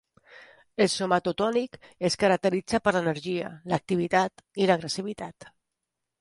El somatotònic es caracteritza per l'energia, l'activitat i l'agressivitat.